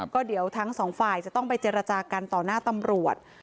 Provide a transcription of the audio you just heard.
ก็เดี๋ยวทั้งสองฝ่ายจะต้องไปเจรจากันต่อหน้าตำรวจ